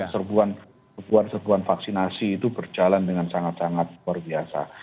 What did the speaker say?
serbuan serbuan vaksinasi itu berjalan dengan sangat sangat luar biasa